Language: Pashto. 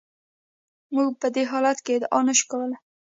موږ په دې حالت کې ادعا نشو کولای.